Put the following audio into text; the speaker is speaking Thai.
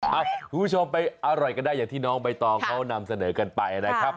คุณผู้ชมไปอร่อยกันได้อย่างที่น้องใบตองเขานำเสนอกันไปนะครับ